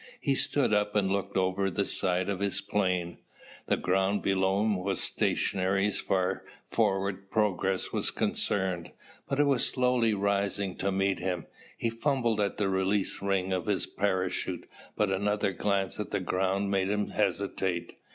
He stood up and looked over the side of his plane. The ground below him was stationary as far as forward progress was concerned, but it was slowly rising to meet him. He fumbled at the release ring of his parachute but another glance at the ground made him hesitate.